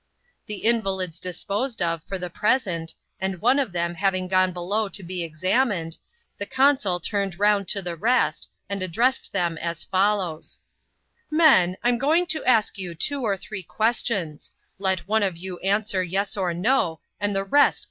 The invalids disposed of for the present, and one of them having gone below to be examined, the consul turned round to the rest, and addressed them as follows :—" Men, I'm going to ask you two or three questions — let one of you answer yes or no, and the xeat k^e^